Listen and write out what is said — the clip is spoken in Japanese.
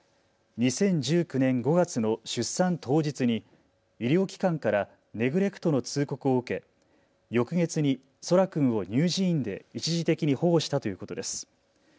２０１９年５月の出産当日に医療機関からネグレクトの通告を受け、翌月に空来君を乳児院で一時的に保護したということです。